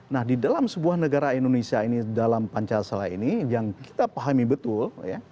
nah di dalam sebuah negara indonesia ini dalam pancasila ini yang kita pahami betul